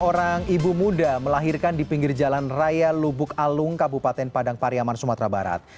orang ibu muda melahirkan di pinggir jalan raya lubuk alung kabupaten padang pariaman sumatera barat